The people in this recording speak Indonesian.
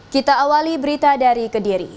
kita awali berita dari kediri